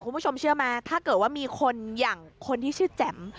คุณผู้ชมเชื่อไหมถ้าเกิดว่ามีคนอย่างคนที่ชื่อแจ๋ม